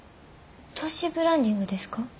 都市ブランディングですか？